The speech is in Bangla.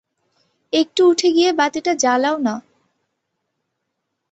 একটু উঠে গিয়ে বাতিটা জ্বালাও না।